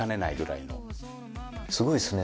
すごいっすね。